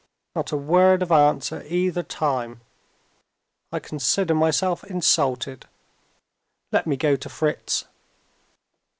Not a word of answer either time! I consider myself insulted. Let me go to Fritz."